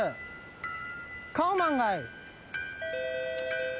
カオマンガイ。